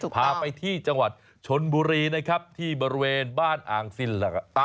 พาไปที่จังหวัดชนบุรีนะครับที่บริเวณบ้านอ่างซินแล้วก็